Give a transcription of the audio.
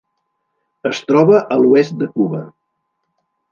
Es troba a l'oest de Cuba.